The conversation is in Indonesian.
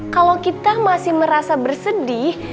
kalau kita masih merasa bersedih